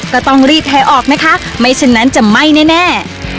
ก็ต้องรีบแห่ออกนะคะไม่ฉะนั้นจะไหม้แน่